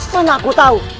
mana aku tahu